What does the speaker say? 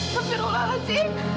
tapi rulah kan sih